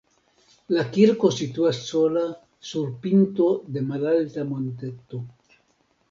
La kirko situas sola sur pinto de malalta monteto.